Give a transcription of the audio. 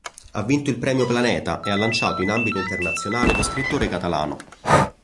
Ha vinto il Premio Planeta e ha lanciato in ambito internazionale lo scrittore catalano.